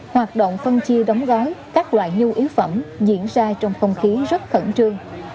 hoạt động phân chia đóng gói các loại nhu yếu phẩm diễn ra trong không khí rất khẩn trương